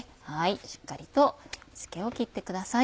しっかりと水気を切ってください。